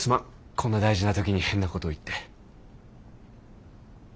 こんな大事な時に変なことを言って。